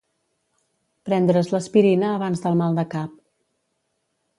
Prendre's l'aspirina abans del mal de cap.